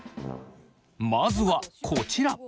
まずはこちら。